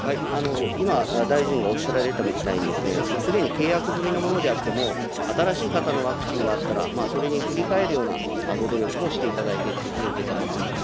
今、大臣がおっしゃられたみたいに、すでに契約済みのものであっても、新しい型のワクチンがあったら、それに振り替えるようなご努力もしていただいているというふうに承ってます。